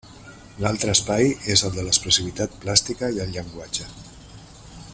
L'altre espai és el de l'expressivitat plàstica i el llenguatge.